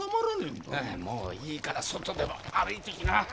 もういいから外でも歩いてきな。